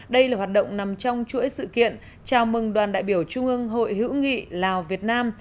đây là hoạt động nằm trong chuỗi sự kiện chào mừng đoàn đại biểu trung ương hội hữu nghị lào việt nam